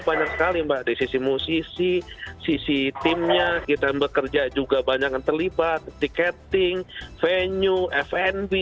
banyak sekali mbak di sisi musisi sisi timnya kita bekerja juga banyak yang terlibat tiketing venue fnb